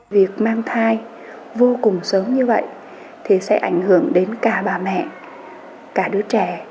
việc mang thai vô cùng sớm như vậy thì sẽ ảnh hưởng đến cả bà mẹ cả đứa trẻ